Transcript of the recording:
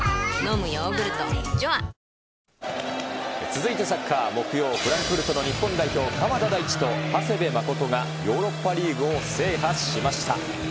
続いてサッカー、木曜、フランクフルトの日本代表、鎌田大地と長谷部誠が、ヨーロッパリーグを制覇しました。